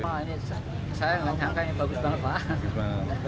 ini saya yang menyangka ini bagus banget pak